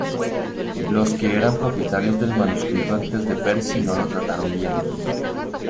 Los que eran propietarios del manuscrito antes de Percy no lo trataron bien.